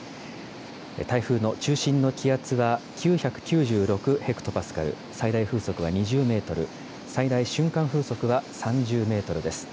台風の中心の気圧は９９６ヘクトパスカル、最大風速は２０メートル、最大瞬間風速は３０メートルです。